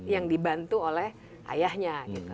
yang dibantu oleh ayahnya